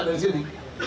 sudah di sini